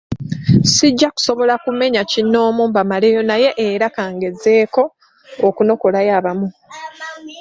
Sijja kusobola kumenya kinnoomu mbamaleyo, naye era ka ngezeeko okunokolayo abamu.